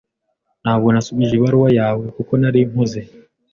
Ntabwo nasubije ibaruwa yawe, kuko nari mpuze.